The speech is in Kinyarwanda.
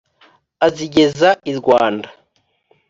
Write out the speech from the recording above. Azigeza i Rwanda.